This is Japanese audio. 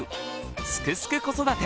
「すくすく子育て」